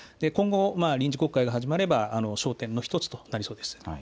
今後、臨時国会が始まれば焦点の１つとなりそうです。